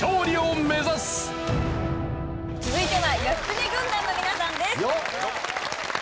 続いては義経軍団の皆さんです。